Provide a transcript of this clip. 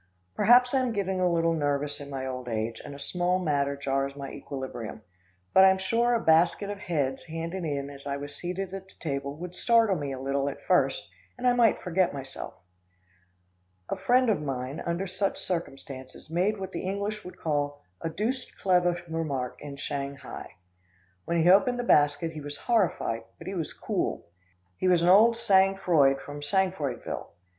Perhaps I'm getting a little nervous in my old age, and a small matter jars my equilibrium; but I'm sure a basket of heads handed in as I was seated at the table would startle me a little at first, and I might forget myself. A friend of mine, under such circumstances, made what the English would call "a doosed clevah" remark once in Shanghai. When he opened the basket he was horrified, but he was cool. He was old sang froid from Sangfroidville.